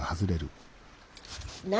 何？